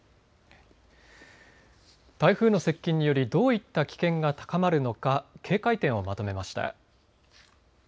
台風の接近によりどういった危険が高まるのか警戒点をまとめました。